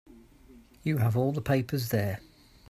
You have all the papers there.